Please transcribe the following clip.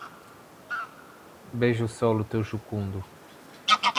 Beija o solo teu jucundo